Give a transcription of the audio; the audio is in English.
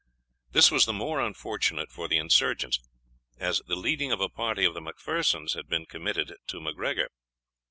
This was the more unfortunate for the insurgents, as the leading of a party of the Macphersons had been committed to MacGregor.